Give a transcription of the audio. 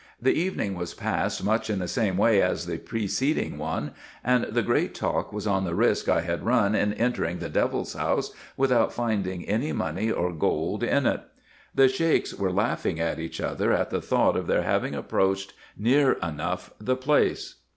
The evening was passed much in the same way as the preceding one, and the great talk was on the risk I had run in entering the devil's house without finding any money or gold in 3 g 2 412 RESEARCHES AND OPERATIONS it. The Sheiks were laughing at each other, at the thought of their having approached near enough the place.